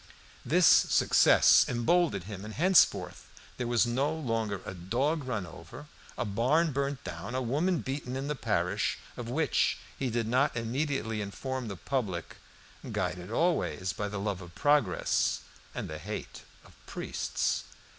This success emboldened him, and henceforth there was no longer a dog run over, a barn burnt down, a woman beaten in the parish, of which he did not immediately inform the public, guided always by the love of progress and the hate of priests.